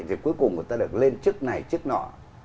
thì cuối cùng người ta được lên chức này chức nọ